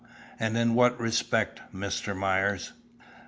And in what respect, Mr. Myers?"